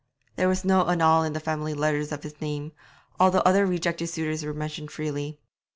There was no annal in the family letters of his name, although other rejected suitors were mentioned freely.